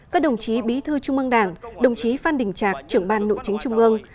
các đồng chí bí thư trung ương đảng đồng chí phan đình trạc trưởng ban nội chính trung ương